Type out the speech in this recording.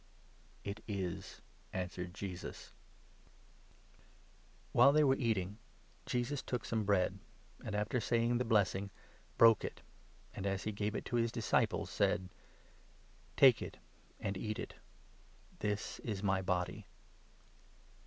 " It is," answered Jesus. The ' Lord's While they were eating, Jesus took some bread, supper.' and, after saying the blessing, broke it and, as he gave it to his disciples, said :" Take it and eat it ; this is my body."